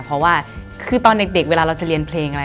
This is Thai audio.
เพราะว่าคือตอนเด็กเวลาเราจะเรียนเพลงอะไร